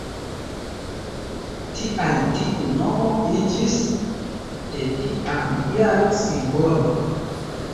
Tial tiu nomo iĝis de tiam ia simbolo.